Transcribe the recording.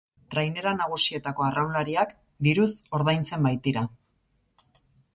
Trainera nagusietako arraunlariak diruz ordaintzen baitira.